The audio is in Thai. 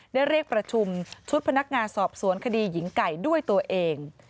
ได้เรียกประชุมชุดพนักงานสอบสวนคดีหญิงไก่ด้วยตัวเอง